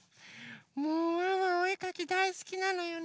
もうワンワンおえかきだいすきなのよね。